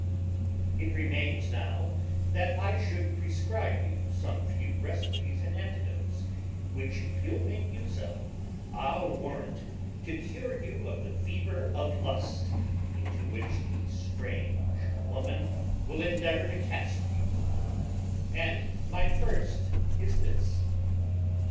It remains now that I should prescribe you some few Recipe's and Antidotes; which if you'l make use of, I'le warrant to cure you of the Fever of Lust, into which the Strange Woman will endeavour to cast you: And my first is this.